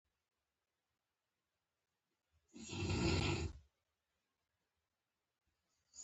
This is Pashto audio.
ویل کیږي زیارت کوونکي به د لوی جلوس په بڼه بیت المقدس ته ننوتل.